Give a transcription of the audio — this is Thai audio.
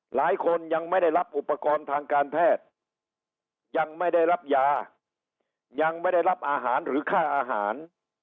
หลายคนยังไม่ได้รับอุปกรณ์ทางการแพทย์ยังไม่ได้รับยายังไม่ได้รับอาหารหรือค่าอาหาร